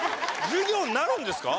授業になるんですか？